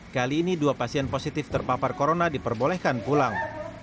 kali ini dua pasien positif terpapar corona diperbolehkan pulang